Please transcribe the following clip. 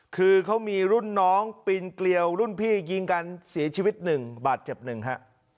คือเขามีรุ่นน้องปีนเกลียวรุ่นพี่ยิงกันเสียชีวิตหนึ่งบาดเจ็บหนึ่งฮะ